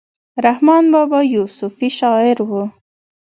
رحمان بابا يو صوفي شاعر وو.